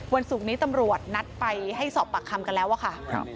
ศุกร์นี้ตำรวจนัดไปให้สอบปากคำกันแล้วอะค่ะ